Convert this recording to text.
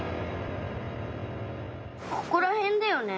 ここらへんだよね。